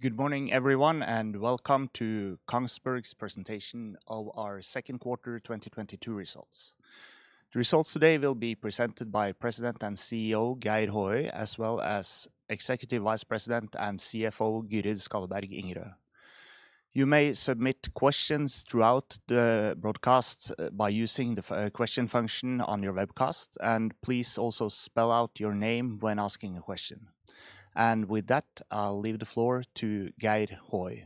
Good morning everyone and welcome to Kongsberg's presentation of our second quarter 2022 results. The results today will be presented by President and CEO Geir Håøy as well as Executive Vice President and CFO, Gyrid Skalleberg Ingerø. You may submit questions throughout the broadcast by using the question function on your webcast, and please also spell out your name when asking a question. With that, I'll leave the floor to Geir Håøy.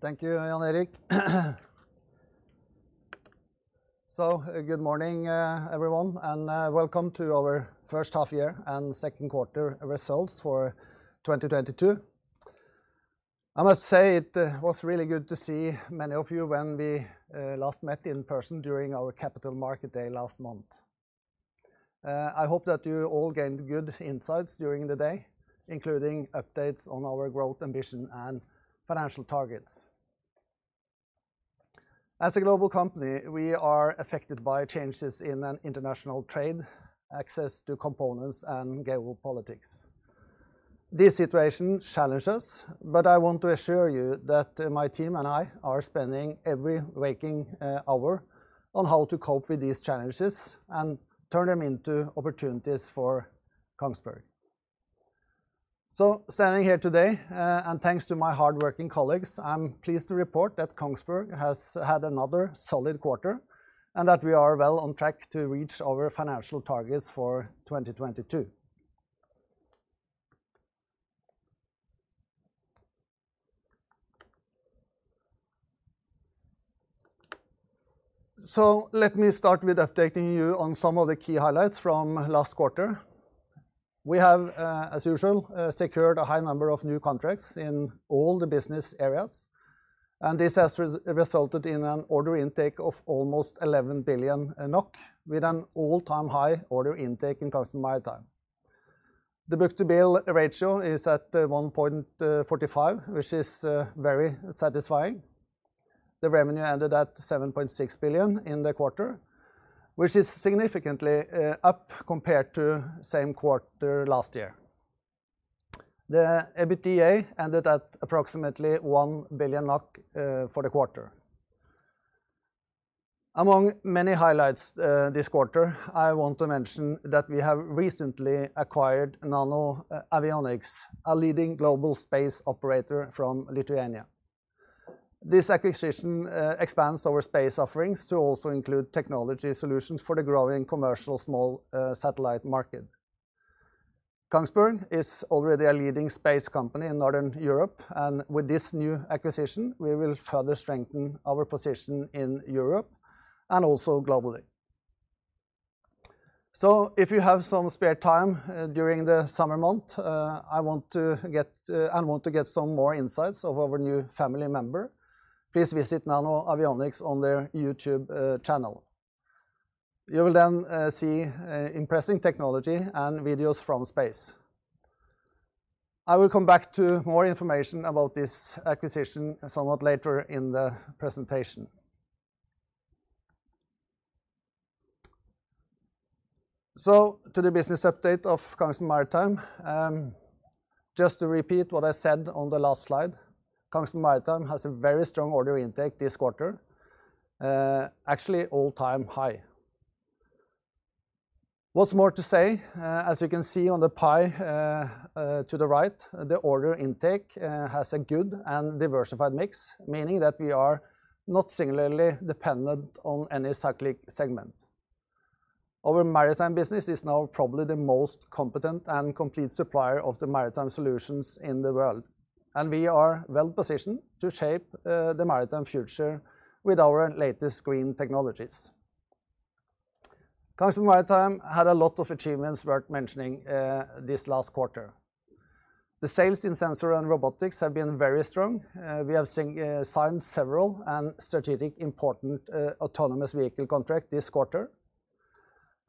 Thank you, Jan Erik Hoff. Good morning, everyone, and welcome to our first half year and second quarter results for 2022. I must say it was really good to see many of you when we last met in person during our capital market day last month. I hope that you all gained good insights during the day, including updates on our growth, ambition, and financial targets. As a global company, we are affected by changes in international trade, access to components and global politics. This situation challenges, but I want to assure you that my team and I are spending every waking hour on how to cope with these challenges and turn them into opportunities for Kongsberg. Standing here today, and thanks to my hardworking colleagues, I'm pleased to report that Kongsberg has had another solid quarter and that we are well on track to reach our financial targets for 2022. Let me start with updating you on some of the key highlights from last quarter. We have, as usual, secured a high number of new contracts in all the business areas, and this has resulted in an order intake of almost 11 billion NOK with an all-time high order intake in Kongsberg Maritime. The book-to-bill ratio is at 1.45, which is very satisfying. The revenue ended at 7.6 billion in the quarter, which is significantly up compared to same quarter last year. The EBITDA ended at approximately 1 billion for the quarter. Among many highlights this quarter, I want to mention that we have recently acquired NanoAvionics, a leading global space operator from Lithuania. This acquisition expands our space offerings to also include technology solutions for the growing commercial small satellite market. Kongsberg is already a leading space company in Northern Europe, and with this new acquisition, we will further strengthen our position in Europe and also globally. If you have some spare time during the summer month, I want to get some more insights of our new family member, please visit NanoAvionics on their YouTube channel. You will then see impressive technology and videos from space. I will come back to more information about this acquisition somewhat later in the presentation. To the business update of Kongsberg Maritime. Just to repeat what I said on the last slide, Kongsberg Maritime has a very strong order intake this quarter. Actually all-time high. What's more to say, as you can see on the pie to the right, the order intake has a good and diversified mix, meaning that we are not singularly dependent on any cyclic segment. Our maritime business is now probably the most competent and complete supplier of the maritime solutions in the world, and we are well positioned to shape the maritime future with our latest green technologies. Kongsberg Maritime had a lot of achievements worth mentioning this last quarter. The sales in sensors and robotics have been very strong. We have signed several strategically important autonomous vehicle contracts this quarter,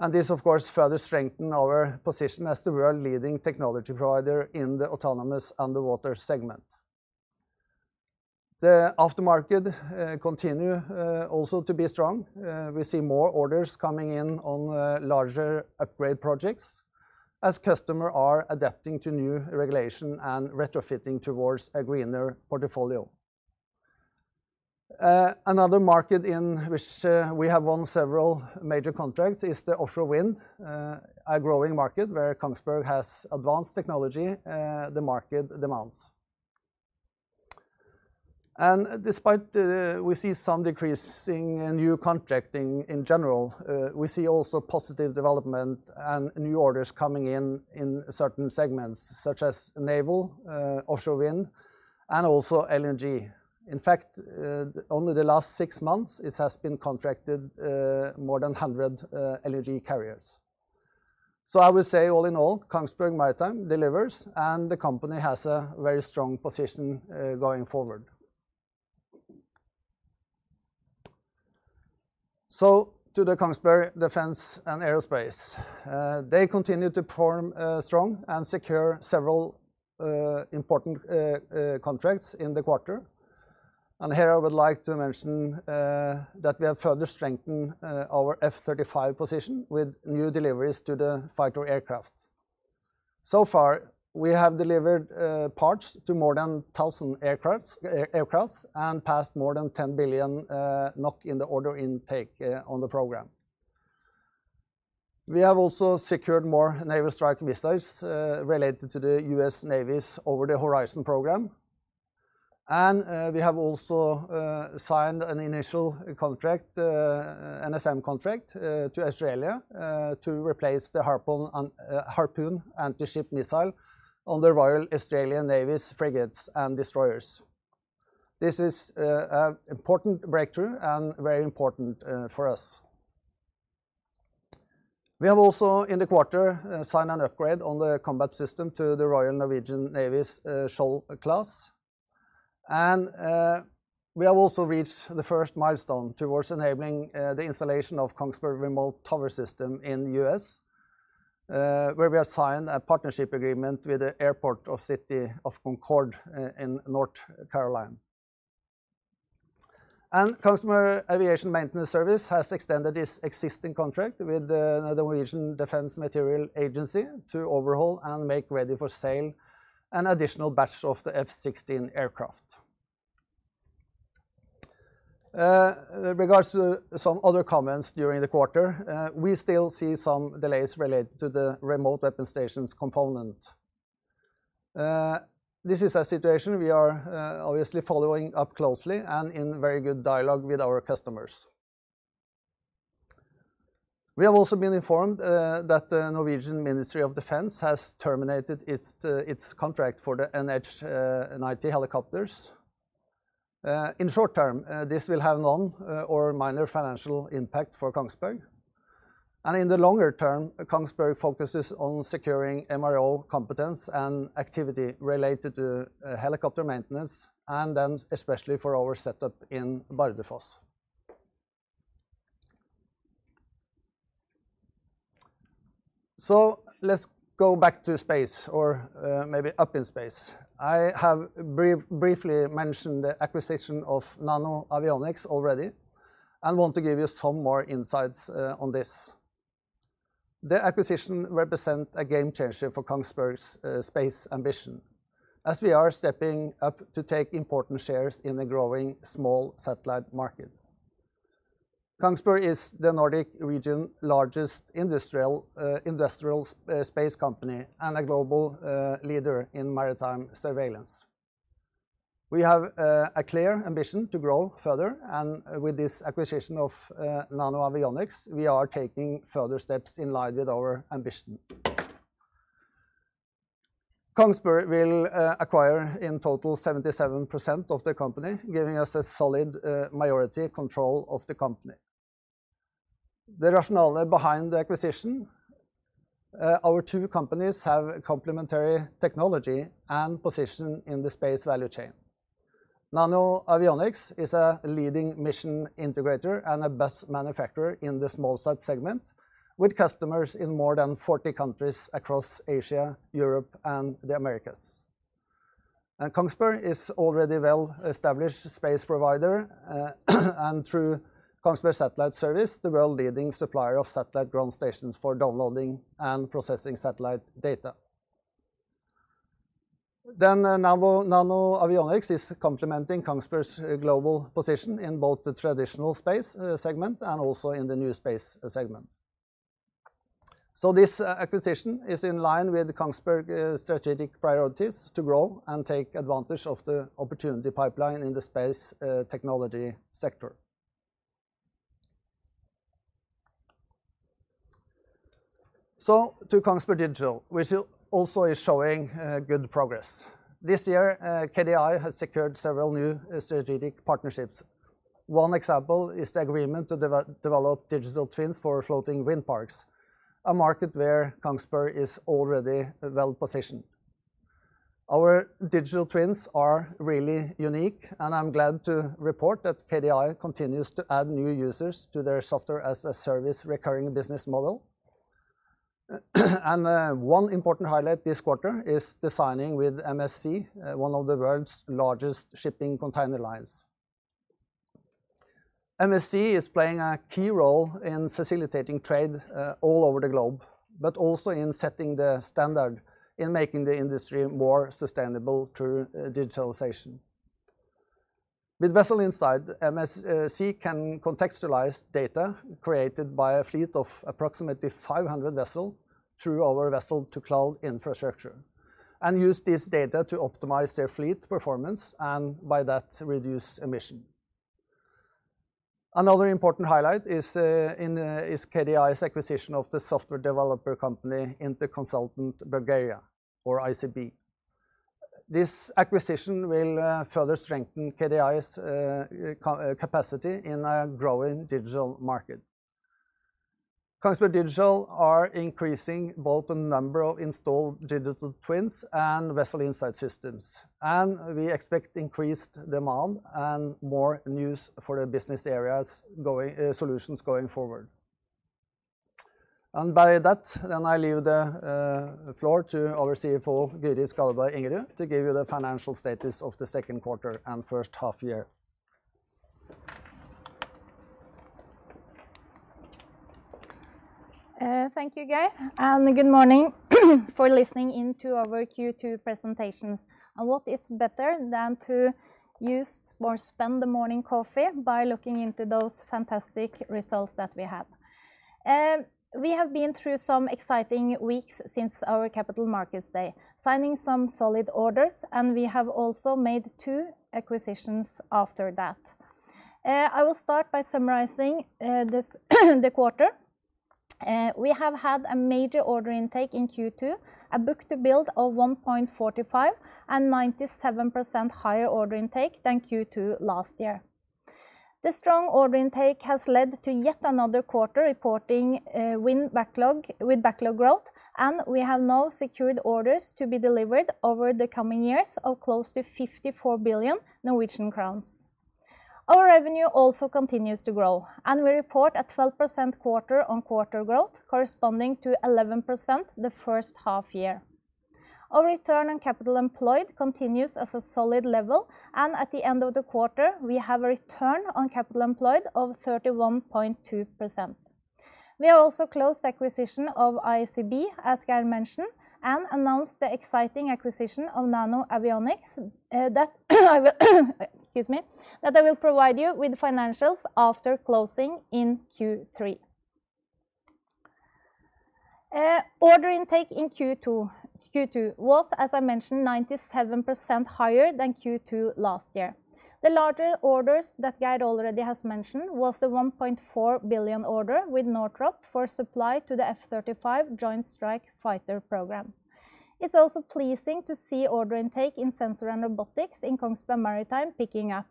and this of course further strengthen our position as the world-leading technology provider in the autonomous underwater segment. The aftermarket continue also to be strong. We see more orders coming in on larger upgrade projects as customers are adapting to new regulations and retrofitting towards a greener portfolio. Another market in which we have won several major contracts is the offshore wind, a growing market where Kongsberg has advanced technology the market demands. Despite, we see some decrease in new contracting in general, we see also positive development and new orders coming in in certain segments such as naval, offshore wind, and also LNG. In fact, only the last six months it has been contracted more than 100 LNG carriers. I will say all in all, Kongsberg Maritime delivers and the company has a very strong position going forward. To the Kongsberg Defence & Aerospace. They continue to perform strong and secure several important contracts in the quarter. Here I would like to mention that we have further strengthened our F-35 position with new deliveries to the fighter aircraft. So far, we have delivered parts to more than 1,000 aircraft and passed more than 10 billion NOK in the order intake on the program. We have also secured more Naval Strike Missiles related to the U.S. Navy's Over-the-Horizon Weapon System. We have also signed an initial contract, an NSM contract, to Australia to replace the Harpoon anti-ship missile on the Royal Australian Navy's frigates and destroyers. This is an important breakthrough and very important for us. We have also, in the quarter, signed an upgrade on the combat system to the Royal Norwegian Navy's Skjold class. We have also reached the first milestone towards enabling the installation of Kongsberg Remote Tower System in the U.S., where we have signed a partnership agreement with the airport of the city of Concord in North Carolina. Kongsberg Aviation Maintenance Services has extended its existing contract with the Norwegian Defence Materiel Agency to overhaul and make ready for sale an additional batch of the F-16 aircraft. Regarding some other comments during the quarter, we still see some delays related to the Remote Weapon Stations component. This is a situation we are obviously following up closely and in very good dialogue with our customers. We have also been informed that the Norwegian Ministry of Defence has terminated its contract for the NH90 helicopters. In short term, this will have none or minor financial impact for Kongsberg. In the longer term, Kongsberg focuses on securing MRO competence and activity related to helicopter maintenance and then especially for our setup in Bardufoss. Let's go back to space or maybe up in space. I have briefly mentioned the acquisition of NanoAvionics already and want to give you some more insights on this. The acquisition represent a game changer for Kongsberg's space ambition, as we are stepping up to take important shares in the growing small satellite market. Kongsberg is the Nordic region largest industrial space company and a global leader in maritime surveillance. We have a clear ambition to grow further, and with this acquisition of NanoAvionics, we are taking further steps in line with our ambition. Kongsberg will acquire in total 77% of the company, giving us a solid majority control of the company. The rationale behind the acquisition, our two companies have complementary technology and position in the space value chain. NanoAvionics is a leading mission integrator and a bus manufacturer in the smallsat segment, with customers in more than 40 countries across Asia, Europe, and the Americas. Kongsberg is already well-established space provider, and through Kongsberg Satellite Services, the world-leading supplier of satellite ground stations for downloading and processing satellite data. NanoAvionics is complementing Kongsberg's global position in both the traditional space segment and also in the new space segment. This acquisition is in line with Kongsberg strategic priorities to grow and take advantage of the opportunity pipeline in the space technology sector. To Kongsberg Digital, which is also showing good progress. This year, KDI has secured several new strategic partnerships. One example is the agreement to develop digital twins for floating wind parks, a market where Kongsberg is already well-positioned. Our digital twins are really unique, and I'm glad to report that KDI continues to add new users to their software as a service recurring business model. One important highlight this quarter is designing with MSC, one of the world's largest container shipping lines. MSC is playing a key role in facilitating trade all over the globe, but also in setting the standard in making the industry more sustainable through digitalization. With Vessel Insight, MSC can contextualize data created by a fleet of approximately 500 vessels through our vessel-to-cloud infrastructure and use this data to optimize their fleet performance and by that reduce emissions. Another important highlight is KDI's acquisition of the software developer company Interconsult Bulgaria, or ICB. This acquisition will further strengthen KDI's capacity in a growing digital market. Kongsberg Digital are increasing both the number of installed digital twins and Vessel Insight systems, and we expect increased demand and more wins for the business areas solutions going forward. I leave the floor to our CFO, Gyrid Skalleberg Ingerø, to give you the financial status of the second quarter and first half year. Thank you Geir, and good morning for listening into our Q2 presentations. What is better than to use or spend the morning coffee by looking into those fantastic results that we have? We have been through some exciting weeks since our capital markets day, signing some solid orders, and we have also made two acquisitions after that. I will start by summarizing the quarter. We have had a major order intake in Q2, a book-to-bill of 1.45 and 97% higher order intake than Q2 last year. The strong order intake has led to yet another quarter reporting with backlog with backlog growth, and we have now secured orders to be delivered over the coming years of close to 54 billion Norwegian crowns. Our revenue also continues to grow, and we report a 12% quarter-on-quarter growth corresponding to 11% the first half year. Our return on capital employed continues as a solid level, and at the end of the quarter, we have a return on capital employed of 31.2%. We have also closed the acquisition of ICB, as Geir mentioned, and announced the exciting acquisition of NanoAvionics, that I will provide you with financials after closing in Q3. Order intake in Q2 was, as I mentioned, 97% higher than Q2 last year. The larger orders that Geir already has mentioned was the 1.4 billion order with Northrop Grumman for supply to the F-35 Joint Strike Fighter program. It's also pleasing to see order intake in sensor and robotics in Kongsberg Maritime picking up.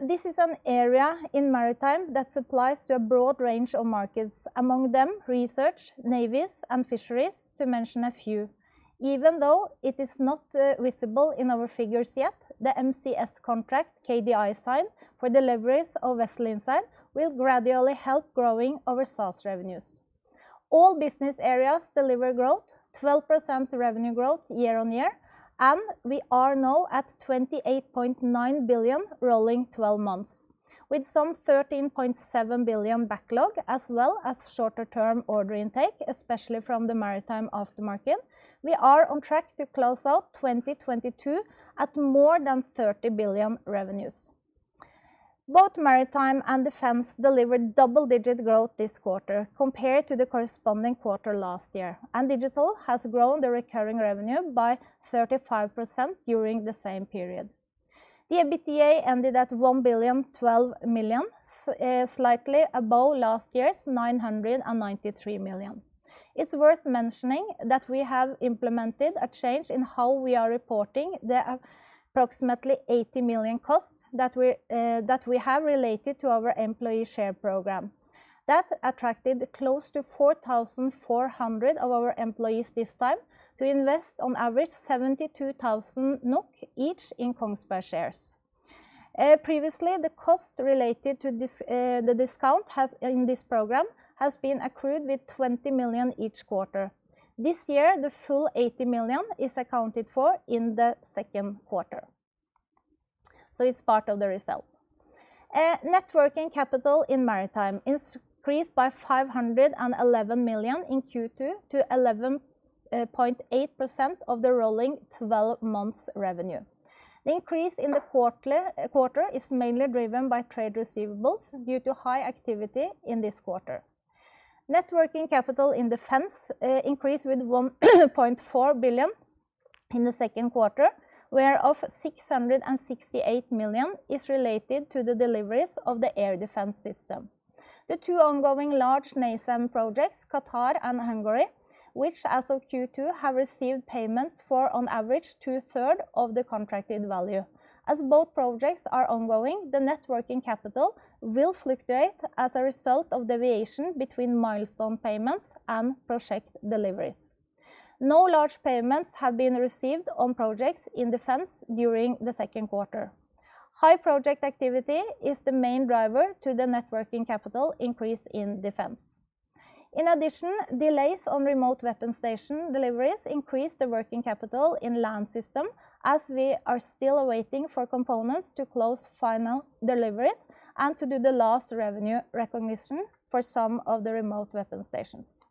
This is an area in maritime that supplies to a broad range of markets, among them research, navies and fisheries, to mention a few. Even though it is not visible in our figures yet, the MSC contract KDI signed for deliveries of Vessel Insight will gradually help growing our sales revenues. All business areas deliver growth, 12% revenue growth year-over-year, and we are now at 28.9 billion rolling 12 months. With some 13.7 billion backlog as well as shorter-term order intake, especially from the maritime aftermarket, we are on track to close out 2022 at more than 30 billion revenues. Both Maritime and Defense delivered double-digit growth this quarter compared to the corresponding quarter last year, and Digital has grown the recurring revenue by 35% during the same period. The EBITDA ended at 1,012 million, slightly above last year's 993 million. It's worth mentioning that we have implemented a change in how we are reporting the approximately 80 million cost that we have related to our employee share program. That attracted close to 4,400 of our employees this time to invest on average 72,000 NOK each in Kongsberg shares. Previously the cost related to the discount has, in this program, has been accrued with 20 million each quarter. This year, the full 80 million is accounted for in the second quarter. It's part of the result. Net working capital in Maritime increased by 511 million in Q2 to 11.8% of the rolling 12 months revenue. The increase in the quarter is mainly driven by trade receivables due to high activity in this quarter. Net working capital in Defense increased with 1.4 billion in the second quarter, whereof 668 million is related to the deliveries of the air defense system. The two ongoing large NASAMS projects, Qatar and Hungary, which as of Q2 have received payments for on average two-thirds of the contracted value. As both projects are ongoing, the net working capital will fluctuate as a result of deviation between milestone payments and project deliveries. No large payments have been received on projects in Defense during the second quarter. High project activity is the main driver to the net working capital increase in Defense. In addition, delays on Remote Weapon Stations deliveries increased the working capital in Land Systems as we are still waiting for components to close final deliveries and to do the last revenue recognition for some of the Remote Weapon Stations.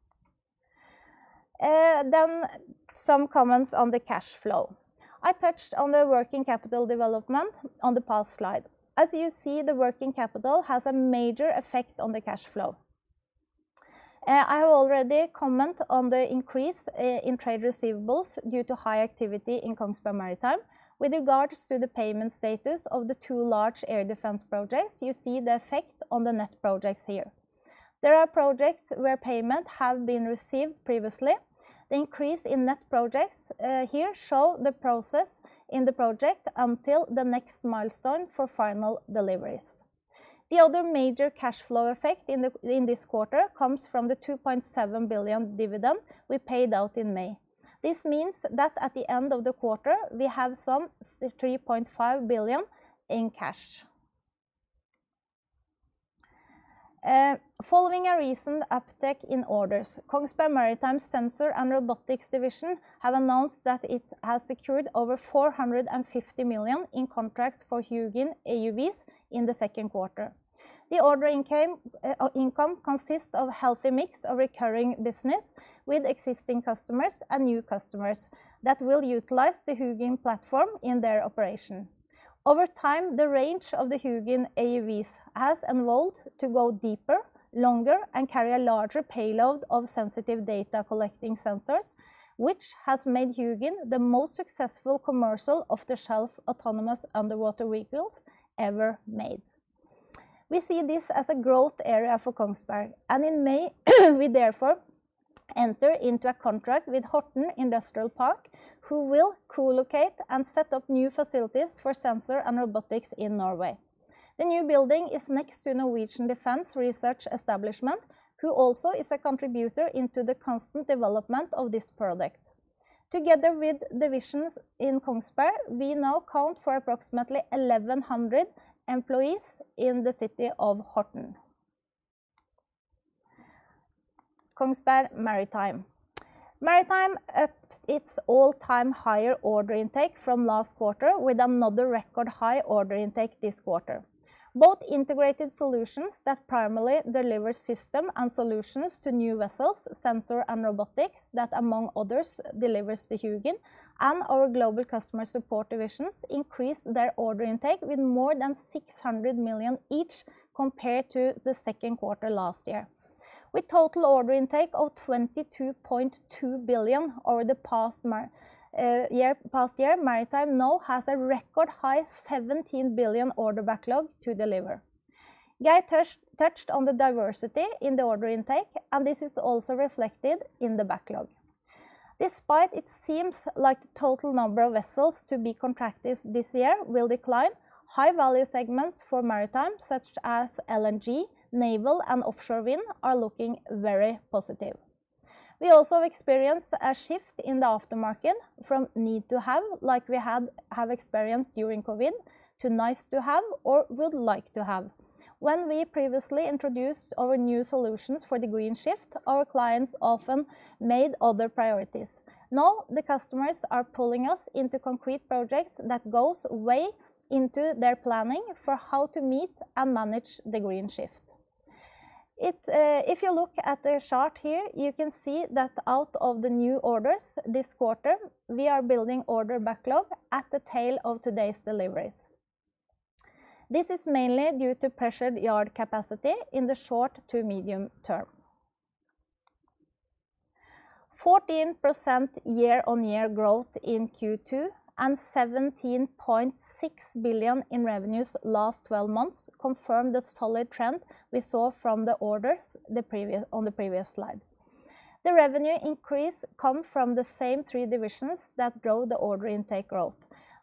Then some comments on the cash flow. I touched on the working capital development on the past slide. As you see, the working capital has a major effect on the cash flow. I have already commented on the increase in trade receivables due to high activity in Kongsberg Maritime. With regards to the payment status of the two large air defense projects, you see the effect on the net projects here. There are projects where payments have been received previously. The increase in net projects here shows the process in the project until the next milestone for final deliveries. The other major cash flow effect in this quarter comes from the 2.7 billion dividend we paid out in May. This means that at the end of the quarter, we have some 3.5 billion in cash. Following a recent uptick in orders, Kongsberg Maritime Sensor & Robotics division have announced that it has secured over 450 million in contracts for HUGIN AUVs in the second quarter. The order income consists of a healthy mix of recurring business with existing customers and new customers that will utilize the HUGIN platform in their operation. Over time, the range of the HUGIN AUVs has evolved to go deeper, longer, and carry a larger payload of sensitive data collecting sensors, which has made HUGIN the most successful commercial off-the-shelf autonomous underwater vehicles ever made. We see this as a growth area for Kongsberg, and in May we therefore enter into a contract with Horten Industripark who will co-locate and set up new facilities for sensor and robotics in Norway. The new building is next to Norwegian Defence Research Establishment, who also is a contributor into the constant development of this product. Together with divisions in Kongsberg, we now account for approximately 1,100 employees in the city of Horten. Kongsberg Maritime. Maritime upped its all-time high order intake from last quarter with another record high order intake this quarter. Both integrated solutions that primarily deliver systems and solutions to new vessels, sensor and robotics, that among others delivers the Hugin, and our global customer support divisions increased their order intake with more than 600 million each compared to the second quarter last year. With total order intake of 22.2 billion over the past year, Maritime now has a record high 17 billion order backlog to deliver. Geir Håøy touched on the diversity in the order intake, and this is also reflected in the backlog. Despite it seems like the total number of vessels to be contracted this year will decline, high-value segments for Maritime such as LNG, naval and offshore wind are looking very positive. We also have experienced a shift in the aftermarket from need to have, like we have experienced during COVID, to nice to have or would like to have. When we previously introduced our new solutions for the green shift, our clients often made other priorities. Now, the customers are pulling us into concrete projects that goes way into their planning for how to meet and manage the green shift. If you look at the chart here, you can see that out of the new orders this quarter, we are building order backlog at the tail of today's deliveries. This is mainly due to pressured yard capacity in the short to medium term. 14% year-on-year growth in Q2 and 17.6 billion in revenues last 12 months confirm the solid trend we saw from the orders on the previous slide. The revenue increase come from the same three divisions that grow the order intake growth.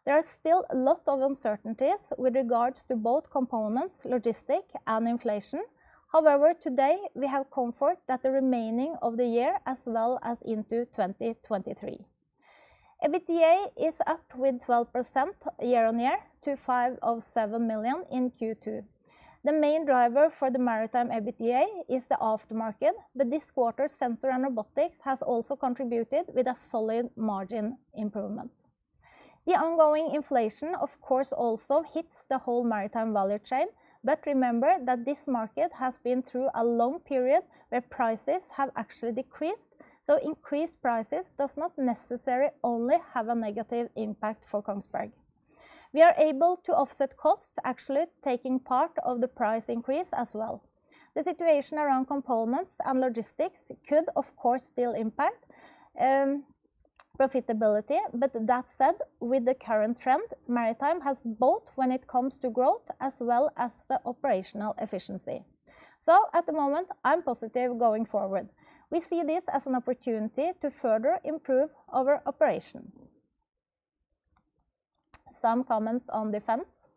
There are still a lot of uncertainties with regards to both components, logistics and inflation. However, today, we have comfort that the remaining of the year as well as into 2023. EBITDA is up with 12% year-on-year to 507 million in Q2. The main driver for the Maritime EBITDA is the aftermarket, but this quarter Sensor and Robotics has also contributed with a solid margin improvement. The ongoing inflation, of course, also hits the whole Maritime value chain. Remember that this market has been through a long period where prices have actually decreased, so increased prices does not necessarily only have a negative impact for Kongsberg. We are able to offset cost actually taking part of the price increase as well. The situation around components and logistics could, of course, still impact, profitability, but that said, with the current trend, Maritime has both when it comes to growth as well as the operational efficiency. At the moment I'm positive going forward. We see this as an opportunity to further improve our operations. Some comments on Defense.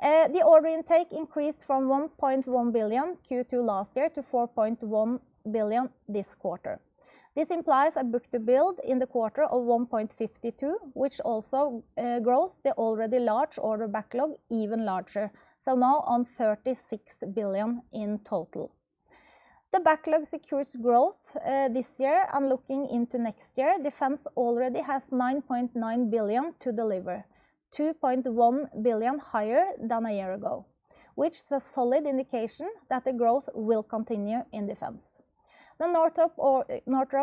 The order intake increased from 1.1 billion Q2 last year to 4.1 billion this quarter. This implies a book-to-bill in the quarter of 1.52, which also grows the already large order backlog even larger, so now on 36 billion in total. The backlog secures growth this year and looking into next year. Defence already has 9.9 billion to deliver, 2.1 billion higher than a year ago, which is a solid indication that the growth will continue in Defence. The Northrop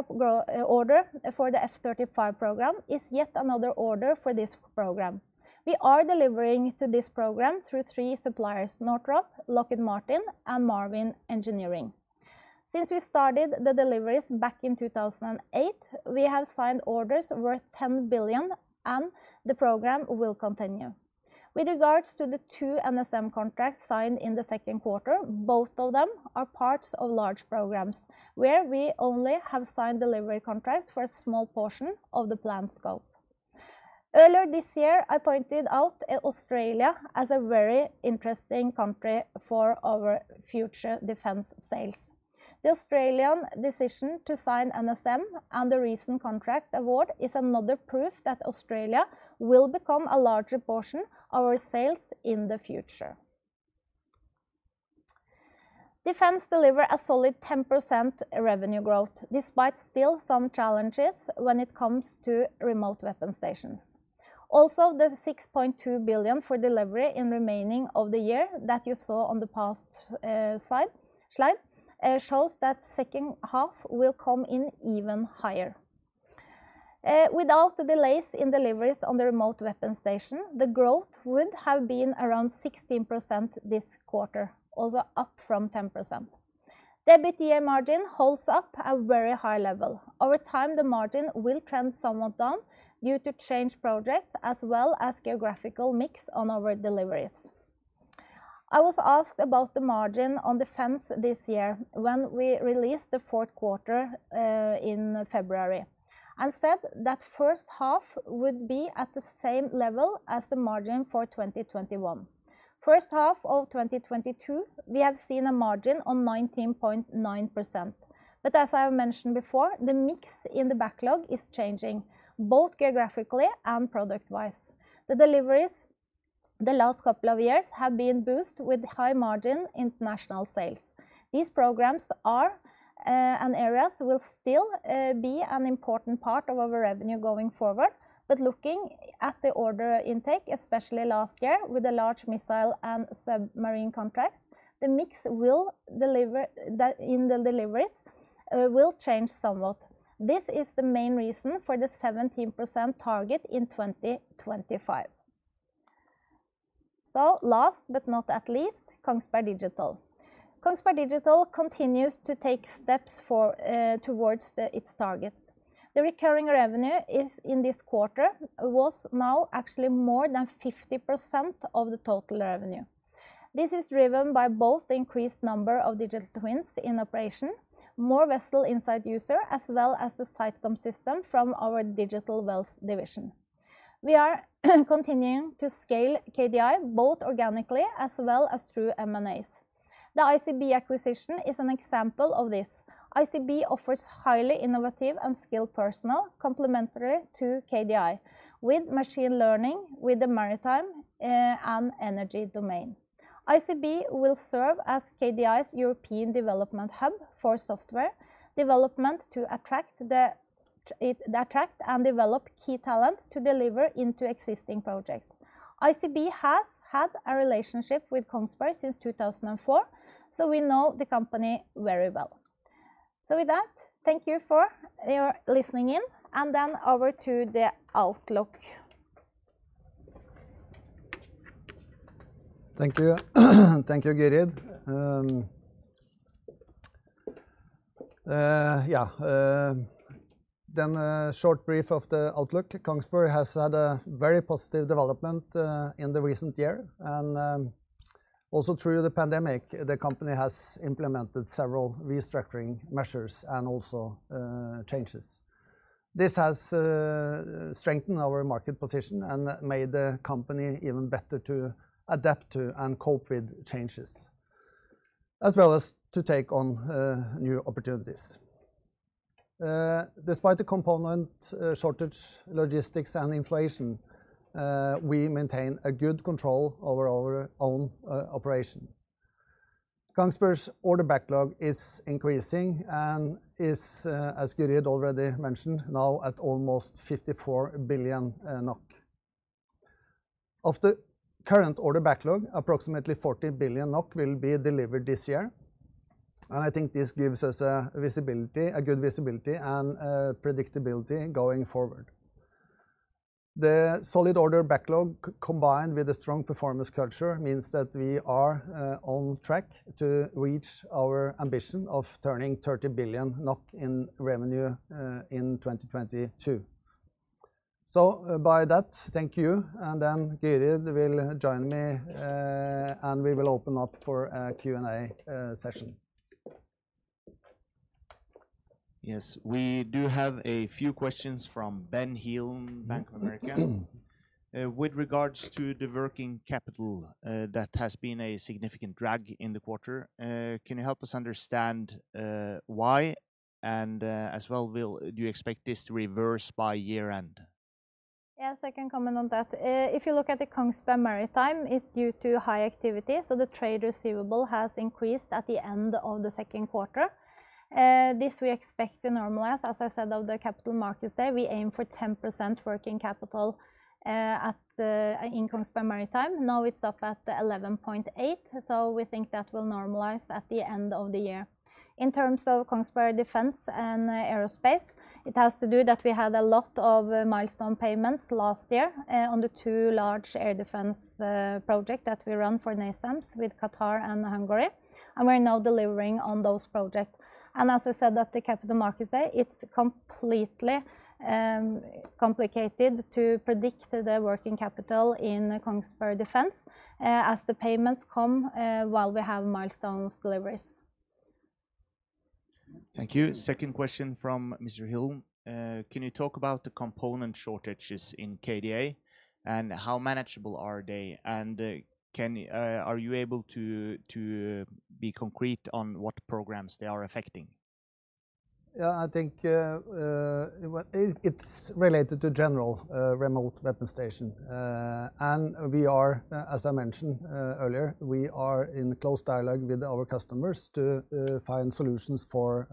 Grumman order for the F-35 program is yet another order for this program. We are delivering to this program through three suppliers, Northrop Grumman, Lockheed Martin and Marvin Engineering Co. Since we started the deliveries back in 2008, we have signed orders worth 10 billion and the program will continue. With regards to the two NSM contracts signed in the second quarter, both of them are parts of large programs where we only have signed delivery contracts for a small portion of the planned scope. Earlier this year, I pointed out Australia as a very interesting country for our future Defence sales. The Australian decision to sign NSM and the recent contract award is another proof that Australia will become a larger portion of our sales in the future. Defence deliver a solid 10% revenue growth despite still some challenges when it comes to Remote Weapon Stations. Also, the 6.2 billion for delivery in remaining of the year that you saw on the past slide shows that second half will come in even higher. Without the delays in deliveries on the Remote Weapon Station, the growth would have been around 16% this quarter, also up from 10%. The EBITDA margin holds up at a very high level. Over time, the margin will trend somewhat down due to change projects as well as geographical mix on our deliveries. I was asked about the margin on defense this year when we released the fourth quarter in February, and said that first half would be at the same level as the margin for 2021. First half of 2022, we have seen a margin of 19.9% but as I mentioned before, the mix in the backlog is changing both geographically and product-wise. The deliveries the last couple of years have been boosted with high margin international sales. These programs and areas will still be an important part of our revenue going forward. Looking at the order intake, especially last year with the large missile and submarine contracts, the mix in the deliveries will change somewhat. This is the main reason for the 17% target in 2025. Last but not least, Kongsberg Digital. Kongsberg Digital continues to take steps towards its targets. The recurring revenue in this quarter was now actually more than 50% of the total revenue. This is driven by both the increased number of digital twins in operation, more Vessel Insight users, as well as the SiteCom system from our Digital Wells division. We are continuing to scale KDI both organically as well as through M&As. The ICB acquisition is an example of this. ICB offers highly innovative and skilled personnel complementary to KDI with machine learning, with the maritime, and energy domain. ICB will serve as KDI's European development hub for software development to attract and develop key talent to deliver into existing projects. ICB has had a relationship with Kongsberg since 2004, so we know the company very well. With that, thank you for your listening in, and then over to the outlook. Thank you. Thank you, Gyrid. A short brief of the outlook. Kongsberg has had a very positive development in the recent year and also through the pandemic, the company has implemented several restructuring measures and also changes. This has strengthened our market position and made the company even better to adapt to and cope with changes, as well as to take on new opportunities. Despite the component shortage, logistics, and inflation, we maintain a good control over our own operation. Kongsberg's order backlog is increasing and is, as Gyrid already mentioned, now at almost 54 billion NOK. Of the current order backlog, approximately 40 billion NOK will be delivered this year, and I think this gives us a visibility, a good visibility and predictability going forward. The solid order backlog combined with a strong performance culture means that we are on track to reach our ambition of turning 30 billion NOK in revenue in 2022. With that, thank you. Gyrid Skalleberg Ingerø will join me, and we will open up for a Q&A session. Yes, we do have a few questions from Ben Hill, Bank of America. With regards to the working capital, that has been a significant drag in the quarter, can you help us understand why and, as well, do you expect this to reverse by year-end? Yes, I can comment on that. If you look at the Kongsberg Maritime, it's due to high activity, so the trade receivable has increased at the end of the second quarter. This we expect to normalize. As I said at the capital markets day, we aim for 10% working capital in Kongsberg Maritime. Now, it's up at 11.8, so we think that will normalize at the end of the year. In terms of Kongsberg Defence & Aerospace, it has to do that we had a lot of milestone payments last year on the two large air defense project that we run for NASAMS with Qatar and Hungary, and we're now delivering on those projects. As I said at the Capital Markets Day, it's completely complicated to predict the working capital in Kongsberg Defence, as the payments come while we have milestones deliveries. Thank you. Second question from Mr. Hill. Can you talk about the component shortages in KDA, and how manageable are they? Are you able to be concrete on what programs they are affecting? Yeah, I think it's related to general Remote Weapon Station. As I mentioned earlier, we are in close dialogue with our customers to find solutions for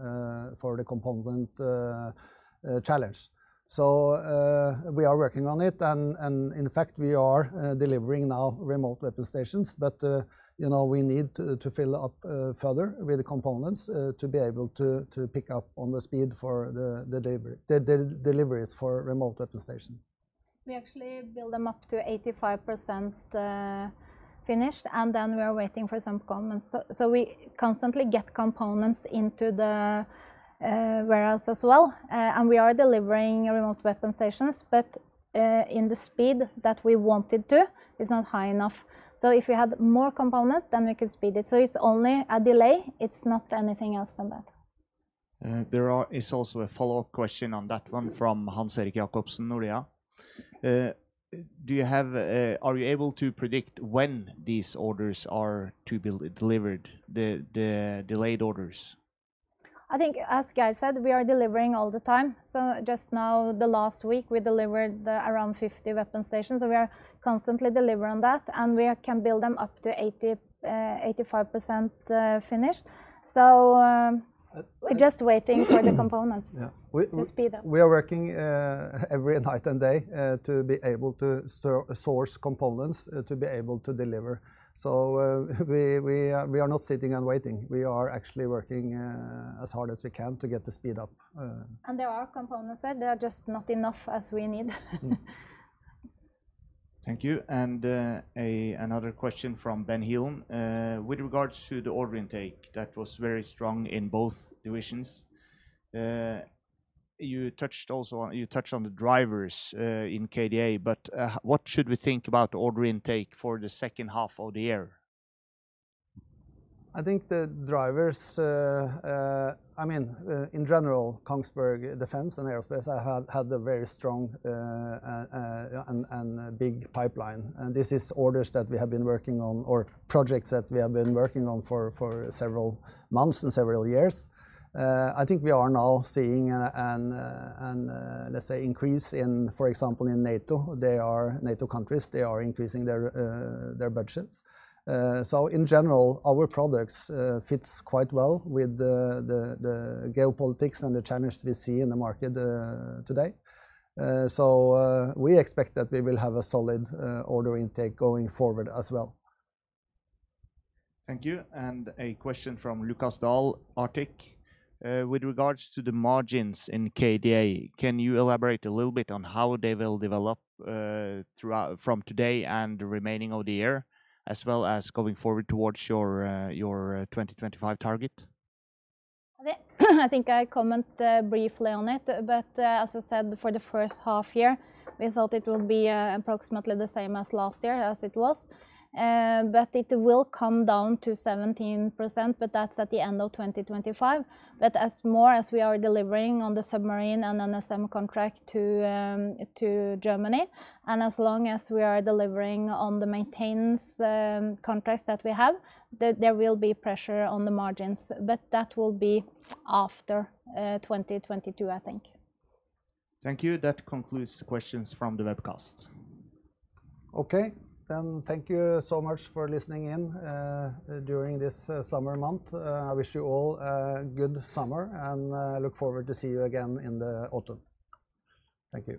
the component challenge. We are working on it and in fact we are delivering now Remote Weapon Stations. You know, we need to fill up further with the components to be able to pick up on the speed for the deliveries for Remote Weapon Station. We actually build them up to 85%, finished, and then we are waiting for some components. We constantly get components into the warehouse as well. We are delivering Remote Weapon Stations, but in the speed that we wanted to is not high enough. If we had more components, then we could speed it. It's only a delay, it's not anything else than that. There is also a follow-up question on that one from Hans-Erik Jacobsen, Nordea. Are you able to predict when these orders are to be delivered, the delayed orders? I think, as Geir Håøy said, we are delivering all the time. Just now, last week, we delivered around 50 Remote Weapon Stations. We are constantly delivering on that, and we can build them up to 80%-85% finished. We're just waiting for the components. Yeah to speed up. We are working every night and day to be able to source components, to be able to deliver. We are not sitting and waiting, we are actually working as hard as we can to get the speed up. There are components there, they are just not enough as we need. Thank you. Another question from Ben Hill. With regards to the order intake that was very strong in both divisions, you touched on the drivers in KDA, but what should we think about order intake for the second half of the year? I think the drivers, I mean, in general, Kongsberg Defence & Aerospace had a very strong and a big pipeline. This is orders that we have been working on, or projects that we have been working on for several months and several years. I think we are now seeing an increase in, for example, in NATO. They are NATO countries, they are increasing their budgets. In general, our products fits quite well with the geopolitics and the challenges we see in the market today. We expect that we will have a solid order intake going forward as well. Thank you. A question from Lukas Daul, Arctic. With regards to the margins in KDA, can you elaborate a little bit on how they will develop throughout from today and the remaining of the year, as well as going forward towards your 2025 target? I think I comment briefly on it. As I said, for the first half year, we thought it would be approximately the same as last year as it was. It will come down to 17%, but that's at the end of 2025. As more as we are delivering on the submarine and NSM contract to Germany, and as long as we are delivering on the maintenance contracts that we have, there will be pressure on the margins. That will be after 2022, I think. Thank you. That concludes the questions from the webcast. Okay. Thank you so much for listening in during this summer month. I wish you all a good summer and look forward to see you again in the autumn. Thank you.